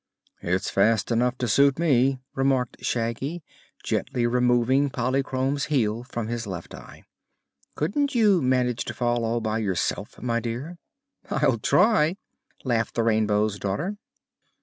"It's fast enough to suit me," remarked Shaggy, gently removing Polychrome's heel from his left eye. "Couldn't you manage to fall all by yourself, my dear?" "I'll try," laughed the Rainbow's Daughter.